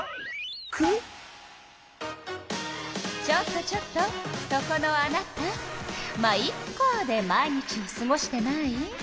ちょっとちょっとそこのあなた「ま、イッカ」で毎日をすごしてない？